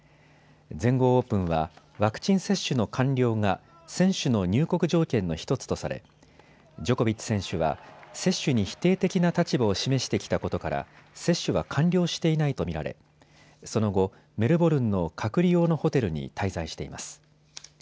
全豪オープンはワクチン接種の完了が選手の入国条件の１つとされジョコビッチ選手は接種に否定的な立場を示してきたことから接種は完了していないと見られその後、メルボルンの隔離用のホテルに滞在しています。